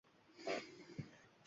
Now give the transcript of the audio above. Hujjat tan